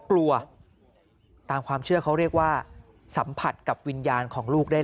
กลัวตามความเชื่อเขาเรียกว่าสัมผัสกับวิญญาณของลูกได้